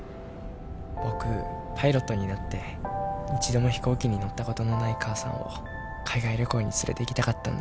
僕パイロットになって一度も飛行機に乗ったことのない母さんを海外旅行に連れていきたかったんだ。